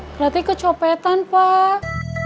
berarti kecopetan pak